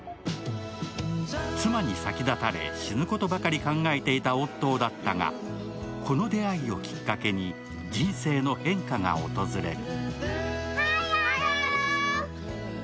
妻に先立たれ、死ぬことばかり考えていたオットーだったがこの出会いをきっかけに人生の変化が訪れる。